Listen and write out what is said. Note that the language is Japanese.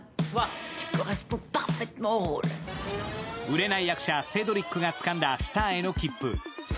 売れない役者、セドリックがつかんだスターへの切符。